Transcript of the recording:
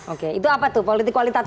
oke itu apa tuh politik kualitatif